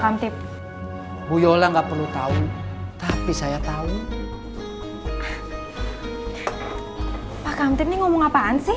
kantip bu yola nggak perlu tahu tapi saya tahu pak kantip ngomong apaan sih